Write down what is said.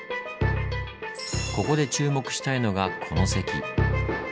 ここで注目したいのがこの堰。